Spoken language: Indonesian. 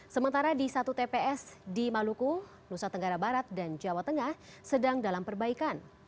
sementara di satu tps di maluku nusa tenggara barat dan jawa tengah sedang dalam perbaikan